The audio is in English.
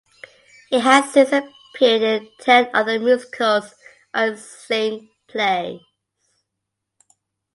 He has since appeared in ten other musicals and cinq plays.